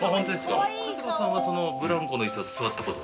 春日さんはブランコのいすに座ったことは？